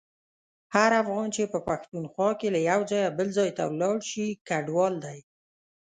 هر افغان چي په پښتونخوا کي له یو ځایه بل ته ولاړشي کډوال دی.